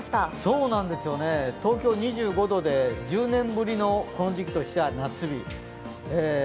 そうなんですよね、東京２５度で１０年ぶりのこの時期としては夏日。